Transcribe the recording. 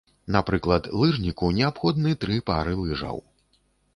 Напрыклад, лыжніку неабходны тры пары лыжаў.